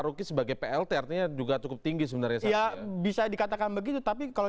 roky sebagai plt artinya juga cukup tinggi sebenarnya saya bisa dikatakan begitu tapi kalau